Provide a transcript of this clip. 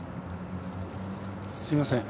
すいません